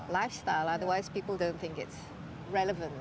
jika tidak orang tidak akan menganggap itu relevan